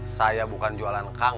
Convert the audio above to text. saya bukan jualan kangkung